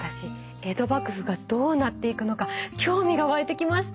江戸幕府がどうなっていくのか興味が湧いてきました。